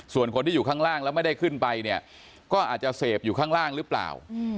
ส่วนคนที่อยู่ข้างล่างแล้วไม่ได้ขึ้นไปเนี่ยก็อาจจะเสพอยู่ข้างล่างหรือเปล่า